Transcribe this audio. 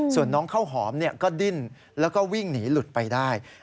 ส่วนน้องข้าวหอมก็ดิ้นแล้วก็วิ่งหนีหลุดไปได้